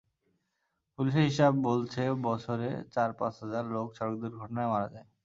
পুলিশের হিসাব বলছে, বছরে চার-পাঁচ হাজার লোক সড়ক দুর্ঘটনায় মারা যায়।